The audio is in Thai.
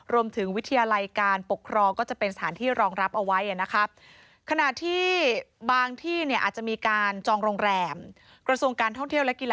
วิทยาลัยการปกครองก็จะเป็นสถานที่รองรับเอาไว้นะครับ